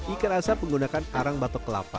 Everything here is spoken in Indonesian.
ikan asap menggunakan arang batok kelapa